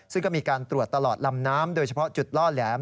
ซึ่งก็มีการตรวจตลอดลำน้ำโดยเฉพาะจุดล่อแหลม